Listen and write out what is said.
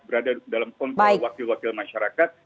berada dalam kontrol wakil wakil masyarakat